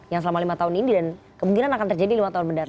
yang selama lima tahun ini dan kemungkinan akan terjadi lima tahun mendatang